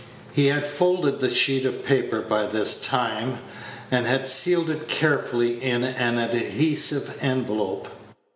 He had folded the sheet of paper by this time, and had sealed it carefully in an adhesive envelope.